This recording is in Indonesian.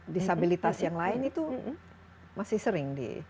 disabilitas yang lain itu masih sering di